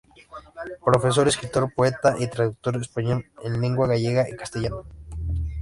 Profesor, escritor, poeta y traductor español en lengua gallega y castellana.